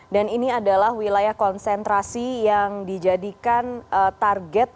dan ini adalah wilayah konsentrasi yang dijadikan target